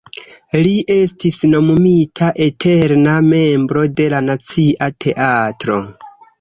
Li estis nomumita eterna membro de la Nacia Teatro.